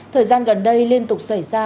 thời gian gần đây liên tục xảy ra